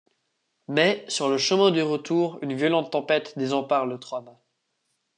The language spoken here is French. Mais, sur le chemin du retour, une violente tempête désempare le trois-mâts.